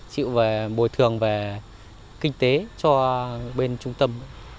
chịu về bồi thường về kinh tế cho bên trung tâm